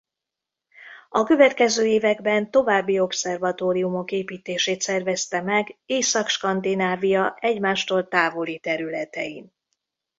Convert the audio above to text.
A következő években további obszervatóriumok építését szervezte meg Észak-Skandinávia egymástól távoli területein.